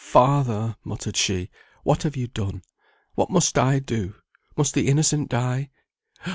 father!" muttered she, "what have you done? What must I do? must the innocent die?